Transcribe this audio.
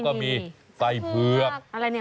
ก็มีไส้เผือก